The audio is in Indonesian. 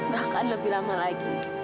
bahkan lebih lama lagi